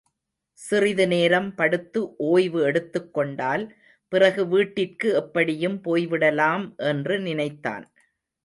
சிறிது நேரம் படுத்து, ஓய்வு எடுத்துக் கொண்டால், பிறகு வீட்டிற்கு எப்படியும் போய் விடலாம் என்று நினைத்தான்.